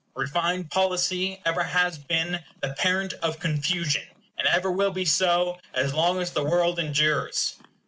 Refined policy ever has been, the parent of confusion; and ever will be so, as long as the world endures.